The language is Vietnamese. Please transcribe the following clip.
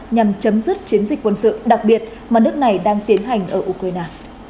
nhằm chấm dứt chiến dịch quân sự đặc biệt mà nước này đang tiến hành ở ukraine